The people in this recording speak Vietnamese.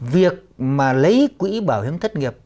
việc mà lấy quỹ bảo hiểm thất nghiệp